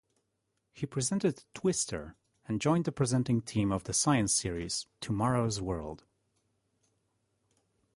He presented "Twister" and joined the presenting team of the science series, "Tomorrow's World.